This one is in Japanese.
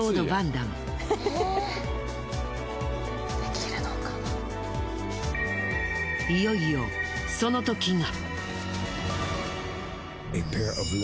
彼のいよいよその時が。